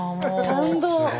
感動。